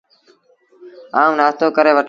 آئو، نآشتو ڪري وٺو۔